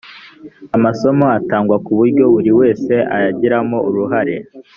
amasomo atangwa ku buryo buri wese ayagiramo uruhare